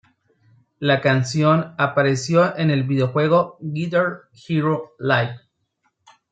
La canción apareció en el videojuego "Guitar Hero Live".